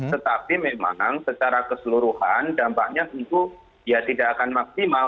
tetapi memang secara keseluruhan dampaknya tentu ya tidak akan maksimal